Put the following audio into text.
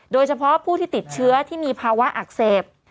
โดยเฉพาะผู้ที่ติดเชื้อที่มีภาวะอักเสบ